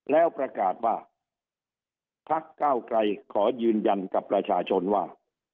แล้วประกาศว่าพักเก้าไกรขอยืนยันกับประชาชนว่า